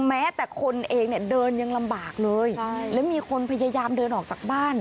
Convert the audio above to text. แม้แต่คนเองเนี่ยเดินยังลำบากเลยใช่แล้วมีคนพยายามเดินออกจากบ้าน